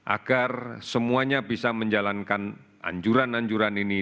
agar semuanya bisa menjalankan anjuran anjuran ini